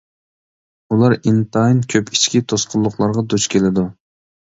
ئۇلار ئىنتايىن كۆپ ئىچكى توسقۇنلۇقلارغا دۇچ كېلىدۇ.